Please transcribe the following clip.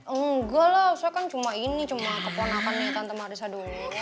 enggak lah saya kan cuma ini cuma keponakan nih tante marisa dulu